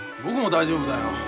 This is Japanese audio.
僕も大丈夫だよ。